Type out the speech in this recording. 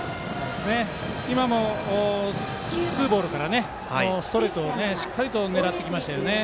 今もツーボールからストレートをしっかりと狙っていきましたよね。